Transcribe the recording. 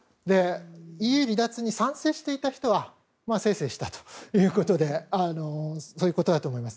ＥＵ離脱に賛成していた人はせいせいしたということでそういうことだと思います。